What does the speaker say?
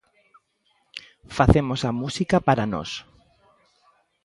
Facemos a música para nós.